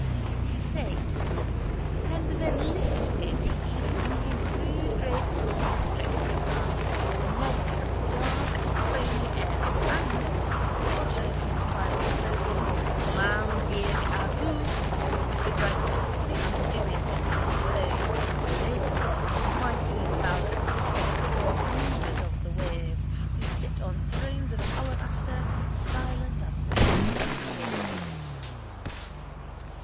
_ He said and then lifted he in his rude great brawny strengthy hands the medher of dark strong foamy ale and, uttering his tribal slogan Lamh Dearg Abu, he drank to the undoing of his foes, a race of mighty valorous heroes, rulers of the waves, who sit on thrones of alabaster silent as the deathless gods.